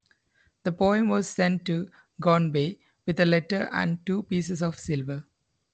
The poem was sent to Gonbei with a letter and two pieces of silver.